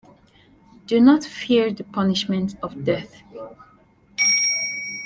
Do not fear the punishment of death!